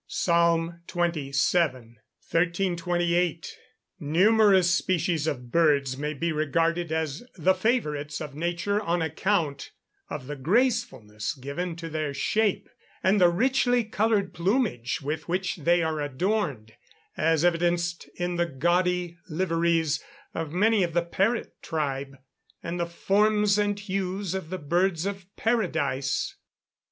PSALM XXVII.] 1328. Numerous species of birds may be regarded as the favourites of nature on account of the gracefulness given to their shape, and the richly coloured plumage with which they are adorned, as evidenced in the gaudy liveries of many of the parrot tribe, and the forms and hues of the birds of paradise.